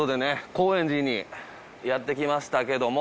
高円寺にやってきましたけども。